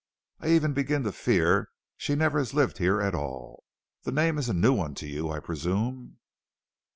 I even begin to fear she never has lived here at all. The name is a new one to you, I presume."